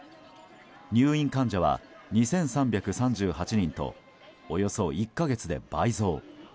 入院患者は２３３８人とおよそ１か月で倍増。